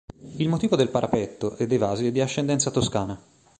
Il motivo del parapetto e dei vasi è di ascendenza toscana.